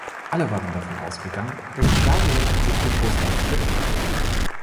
Alle waren davon ausgegangen, dass Bulgarien sich mit Russland verbünden würde.